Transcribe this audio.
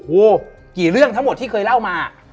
วันนั้นมีกี่เรื่องที่เคยเล่ามา